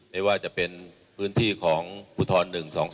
ไม่ว่าจะเป็นพื้นที่ของภูทร๑๒๒